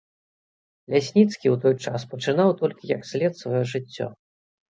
Лясніцкі ў той час пачынаў толькі як след сваё жыццё.